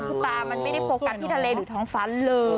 คือตามันไม่ได้โฟกัสที่ทะเลหรือท้องฟ้าเลย